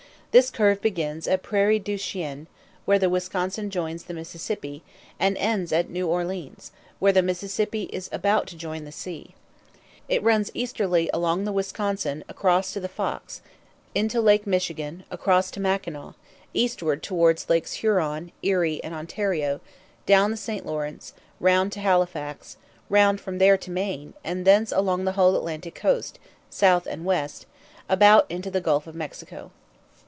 This curve begins at Prairie du Chien, where the Wisconsin joins the Mississippi, and ends at New Orleans, where the Mississippi is about to join the sea. It runs easterly along the Wisconsin, across to the Fox, into Lake Michigan, across to Mackinaw, eastwards through Lakes Huron, Erie, and Ontario, down the St Lawrence, round to Halifax, round from there to Maine, and thence along the whole Atlantic coast, south and west about into the Gulf of Mexico.